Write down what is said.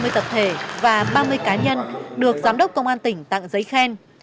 ba mươi tập thể và ba mươi cá nhân được giám đốc công an tỉnh tặng giấy khen